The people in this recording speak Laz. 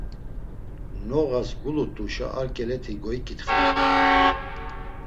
Noğas gulut̆uşa ar ǩeleti goiǩitxamt̆u.